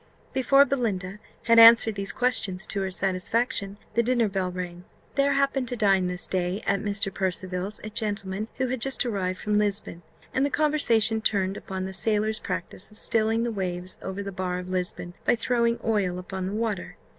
Before Belinda had answered these questions to her satisfaction, the dinner bell rang. There happened to dine this day at Mr. Percival's a gentleman who had just arrived from Lisbon, and the conversation turned upon the sailors' practice of stilling the waves over the bar of Lisbon by throwing oil upon the water.